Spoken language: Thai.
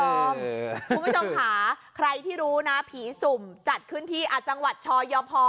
คุณผู้ชมค่ะใครที่รู้นะผีสุ่มจัดขึ้นที่จังหวัดชอยพอ